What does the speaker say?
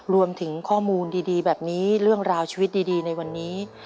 รวมถึงข้อมูลดีแบบนี้เรื่องราวชีวิตดีในวันนี้